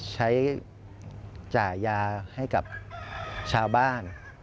ใช้จ่ายยาให้กับชาวบ้าน